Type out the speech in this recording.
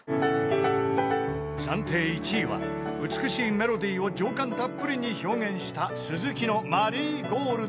［暫定１位は美しいメロディーを情感たっぷりに表現した鈴木の『マリーゴールド』］